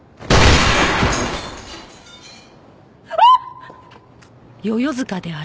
あっ！